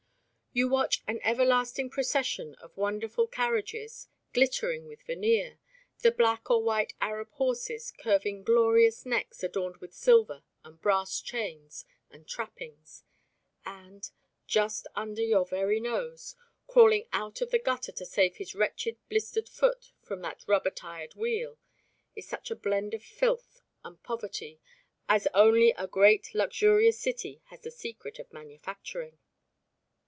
You watch an everlasting procession of wonderful carriages, glittering with veneer, the black or white Arab horses curving glorious necks adorned with silver and brass chains and trappings, and ... just under your very nose, crawling out of the gutter to save his wretched blistered foot from that rubber tyred wheel, is such a blend of filth and poverty as only a great luxurious city has the secret of manufacturing.